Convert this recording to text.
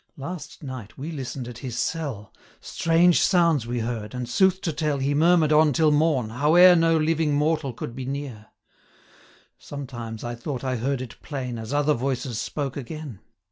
Last night we listen'd at his cell; Strange sounds we heard, and, sooth to tell, He murmur'd on till morn, howe'er No living mortal could be near. 445 Sometimes I thought I heard it plain, As other voices spoke again.